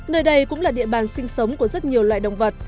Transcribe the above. nơi đây cũng là địa bàn sinh sống của rất nhiều loại động vật